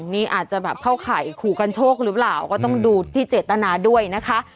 นี่อาจจะแบบเข้าข่ายขู่กันโชคหรือเปล่าก็ต้องดูที่เจตนาด้วยนะคะ